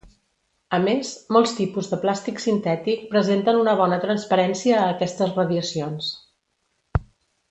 A més, molts tipus de plàstic sintètic presenten una bona transparència a aquestes radiacions.